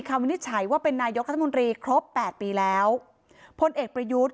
วินิจฉัยว่าเป็นนายกรัฐมนตรีครบแปดปีแล้วพลเอกประยุทธ์